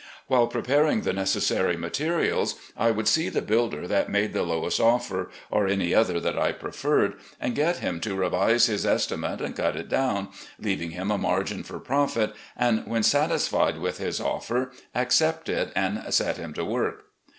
While preparing the necessary materials, I would see the builder that made the lowest offer, or any other that I preferred, and get him to revise his estimate and cut it down, leaving him a margin for profit ; and when satisfied with his offer, accept it and set him to work.